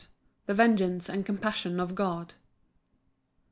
The vengeance and compassion of God.